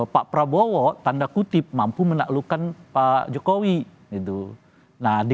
pak prabowo tanda kutip mampu menaklukkan pak jokowi